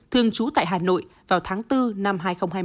thương trú tại hà nội vào tháng bốn năm hai nghìn hai mươi một